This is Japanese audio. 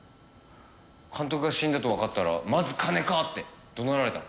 監督が死んだとわかったらまず金か！って怒鳴られた。